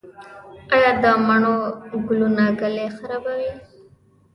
آیا د مڼو ګلونه ږلۍ خرابوي؟